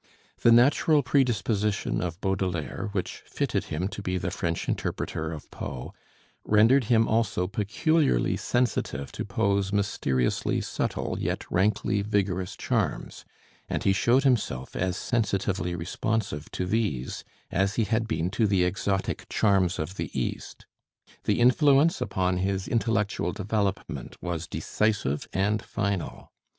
The natural predisposition of Baudelaire, which fitted him to be the French interpreter of Poe, rendered him also peculiarly sensitive to Poe's mysteriously subtle yet rankly vigorous charms; and he showed himself as sensitively responsive to these as he had been to the exotic charms of the East. The influence upon his intellectual development was decisive and final.